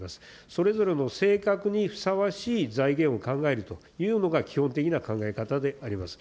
それぞれの性格にふさわしい財源を考えるというのが基本的な考え方であります。